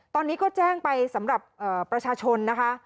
ตอนนี้ก็แจ้งไปสำหรับประชาชนนะคะ